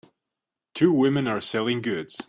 Two women are selling goods.